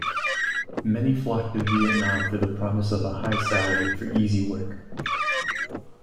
Many flock to Vietnam for the promise of a high salary for easy work.